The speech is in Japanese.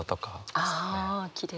あきれい。